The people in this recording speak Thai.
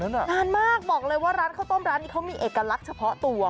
นานมากบอกเลยว่าร้านข้าวต้มร้านนี้เขามีเอกลักษณ์เฉพาะตัว